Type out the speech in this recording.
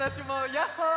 ヤッホー！